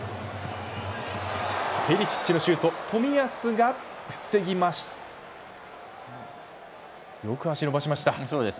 ペリシッチのシュート冨安が防ぎます。